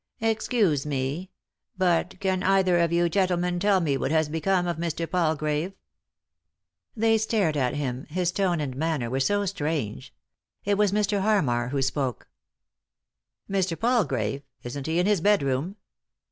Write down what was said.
"Excuse me, but— can either of you gentlemen tell me what has become of Mr. Palgrave ?" They stared at him, his tone and manner were so strange. It was Mr. Harmar who spoke. " Mr. Palgrave ? Isn't he in his bedroom